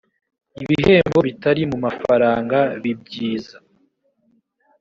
ibihembo bitari mu mafaranga bibyiza